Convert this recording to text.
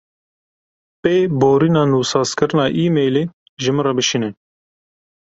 Pêborîna nûsazkirina emaîlê ji min re bişîne.